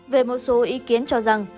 về một số ý kiến cho rằng